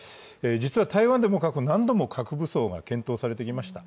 実は台湾でも過去何度も核武装が検討されてきました。